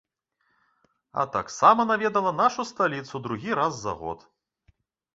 А таксама наведала нашу сталіцу другі раз за год.